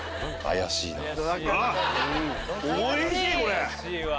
怪しいわ。